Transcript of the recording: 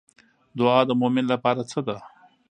دعا د مومن لپاره څه ده؟